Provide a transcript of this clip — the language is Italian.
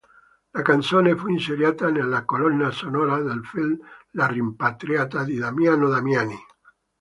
La canzone fu inserita nella colonna sonora del film La rimpatriata di Damiano Damiani.